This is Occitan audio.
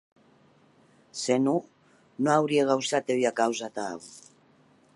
Se non, non aurie gausat hèr ua causa atau.